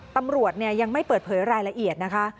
ตำรวจยังไม่เปิดเผยรายละเอียดนะคะ